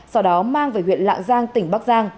sau đó mang về huyện lạng giang tỉnh bắc giang